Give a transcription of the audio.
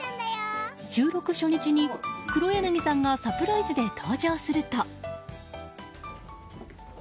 収録初日に黒柳さんがサプライズで登場すると。